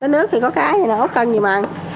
nước thì có cái này là ốc cân gì mà